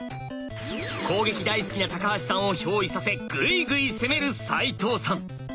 攻撃大好きな橋さんをひょう依させグイグイ攻める齋藤さん。